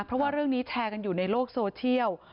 เพราะว่าเรื่องนี้แชร์กันอยู่ในโลกโซเชียล